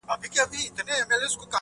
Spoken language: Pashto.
په عقلاني ټولنو کې پوهه لرل